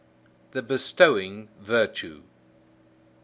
THE BESTOWING VIRTUE.